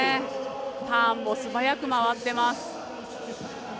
ターンも素早く回ってます。